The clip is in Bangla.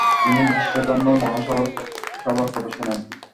তিনি বিশ্বধর্ম মহাসভার কথা শোনেন।